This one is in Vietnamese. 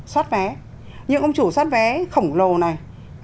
xót vé những ông chủ xót vé khổng lồ này